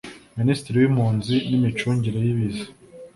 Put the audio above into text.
Minisitiri w’Impunzi n’imicungire y’Ibiza